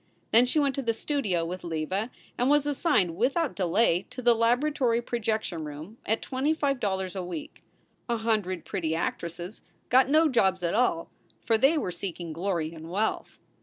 Then she went to the studio with Leva and was assigned without delay to the laboratory projection room at twenty five dollars a week. A hundred pretty actresses got no jobs at all, for they were seeking glory and wealth.